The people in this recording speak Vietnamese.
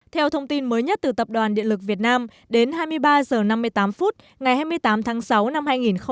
theo thông tin mới nhất từ tập đoàn điện lực việt nam đến hai mươi ba h năm mươi tám phút ngày hai mươi tám tháng sáu năm hai nghìn một mươi chín